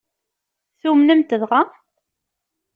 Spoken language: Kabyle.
Tumnem-t dɣa?